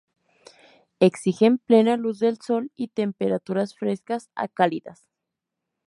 Exigen plena luz del sol y temperaturas frescas a cálidas.